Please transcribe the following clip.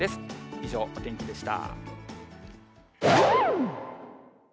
以上、お天気でした。